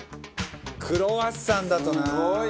「クロワッサンだとなー」